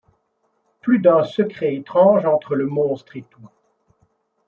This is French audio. Plus d’un secret étrange entre le monstre et toi